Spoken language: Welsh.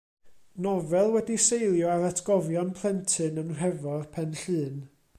Nofel wedi'i seilio ar atgofion plentyn yn Nhrefor, Pen Llŷn.